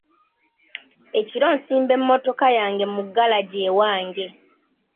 Ekiro nsimba emmotoka yange mu galagi ewange.